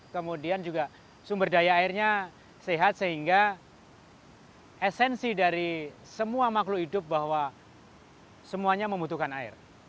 kemudian juga sumber daya airnya sehat sehingga esensi dari semua makhluk hidup bahwa semuanya membutuhkan air